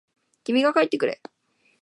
君が帰ってくれ。